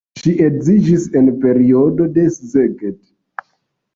Ŝi edziniĝis en periodo de Szeged.